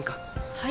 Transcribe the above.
はい？